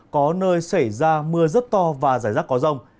có nơi xảy ra mưa rất to và rải rác có rông